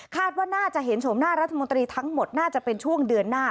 ว่าน่าจะเห็นชมหน้ารัฐมนตรีทั้งหมดน่าจะเป็นช่วงเดือนหน้า